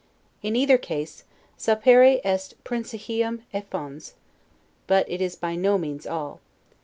In either case, 'Sapere est princihium et fons'; but it is by no means all.